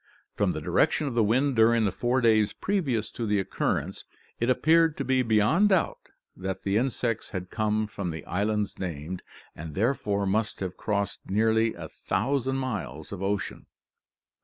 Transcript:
From the direction of the wind during the four days previous to the occurrence, it appeared to be beyond doubt that the insects had come from the islands named, and therefore must have crossed nearly a thousand miles of ocean!"